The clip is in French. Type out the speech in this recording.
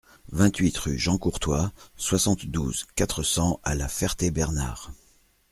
vingt-huit rue Jean Courtois, soixante-douze, quatre cents à La Ferté-Bernard